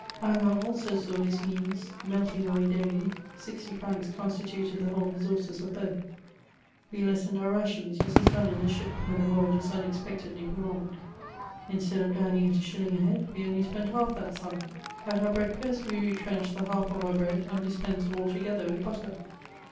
Hingant also saw his means meltmg 378 MEMOIBS OF swi^ daily; nxty francs oonstitiifced the whole reaoiire» of bota. We lenened our n^AoDa^ as is done in a dap, when the voyage is unexpectedly prokHiged. Instead ci dSmang tA a shilling a head, we only spent haJf that sum. At our l»eakfast we retrenched the half of our bread, and diqaenscd altogether with butter.